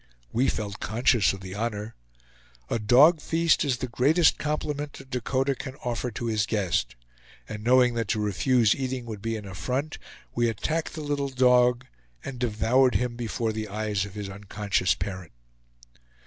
We felt conscious of the honor. A dog feast is the greatest compliment a Dakota can offer to his guest; and knowing that to refuse eating would be an affront, we attacked the little dog and devoured him before the eyes of his unconscious parent.